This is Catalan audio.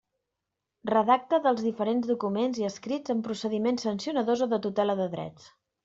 Redacta dels diferents documents i escrits en procediments sancionadors o de tutela de drets.